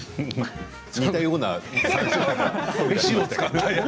似たようなね。